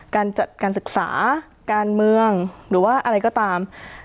การจัดการศึกษาการเมืองหรือว่าอะไรก็ตาม